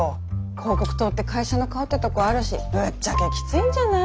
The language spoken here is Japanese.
広告塔って会社の顔ってとこあるしぶっちゃけきついんじゃない？